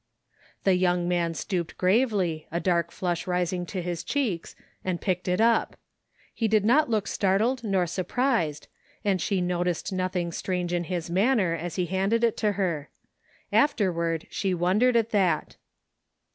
The young man stooped gravely, a dark flush ris ing to his cheeks, and picked it up. He did not look 48 THE FINDING OF JASPER HOLT startled nor surprised and she noticed nothing strange in his manner as he handed it to her. Afterward she wondered at that.